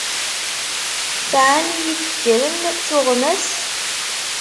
Sɛan yifekren tuɣmas?